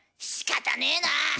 しかたねえな！